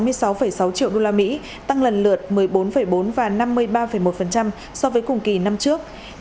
giá gạo xuất khẩu gạo đạt sáu mươi sáu sáu triệu usd tăng lần lượt một mươi bốn bốn và năm mươi ba một so với cùng kỳ năm trước